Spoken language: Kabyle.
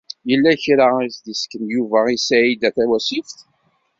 Yella kra i s-d-isken Yuba i Saɛida Tawasift.